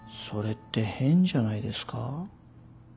それって変じゃないですか？